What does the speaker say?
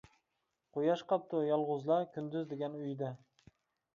قۇياش قاپتۇ يالغۇزلا، كۈندۈز دېگەن ئۆيىدە.